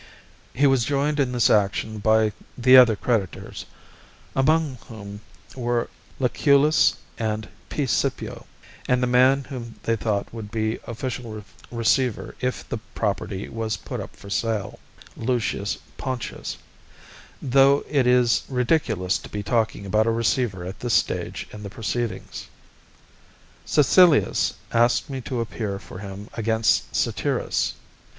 He was joined in this action by the other creditors, among whom were Lucullus and P. Scipio, and the man whom they thought would be official receiver if the property was put up for sale, Lucius Pontius; though it is ridiculous to be talking about a receiver at this stage in the proceedings. Caecilius asked me to appear for him against Satyrus.